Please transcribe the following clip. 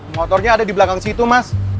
motornya ada di belakang situ mas